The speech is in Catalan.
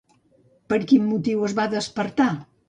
Per quin motiu es va despertar?